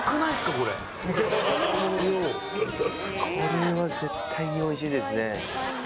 これこの量これは絶対においしいですね